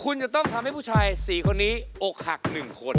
คุณจะต้องทำให้ผู้ชาย๔คนนี้อกหัก๑คน